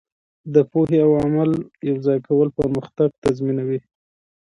د پوهې او عمل یوځای کول پرمختګ تضمینوي.